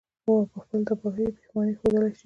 او په خپلو تباهيو ئې پښېمانه ښودلے شي.